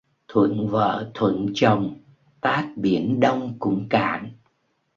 Thuận vợ thuận chồng, tát biển Đông cũng cạn.